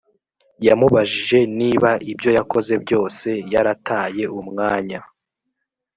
yamubajije niba ibyo yakoze byose yarataye umwanya